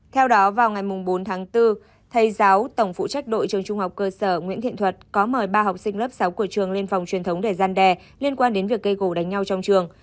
theo đó vào ngày bốn tháng bốn thầy giáo tổng phụ trách đội trường trung học cơ sở nguyễn thiện thuật có mời ba học sinh lớp sáu của trường lên phòng truyền thống để gian đe liên quan đến việc gây gỗ đánh nhau trong trường